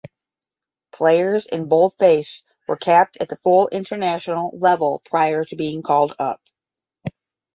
Players in boldface were capped at full international level prior to being called up.